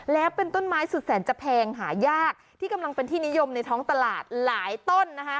แล้วเป็นต้นไม้สุดแสนจะแพงหายากที่กำลังเป็นที่นิยมในท้องตลาดหลายต้นนะคะ